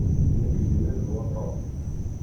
Nekk d iman n waṭṭan.